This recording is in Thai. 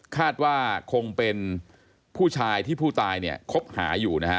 คาดว่าคงเป็นผู้ชายที่ผู้ตายเนี่ยคบหาอยู่นะฮะ